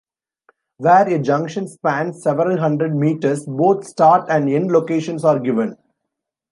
Where a junction spans several hundred metres, both start and end locations are given.